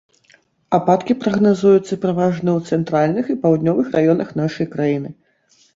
Ападкі прагназуюцца пераважна ў цэнтральных і паўднёвых раёнах нашай краіны.